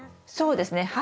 そうですね。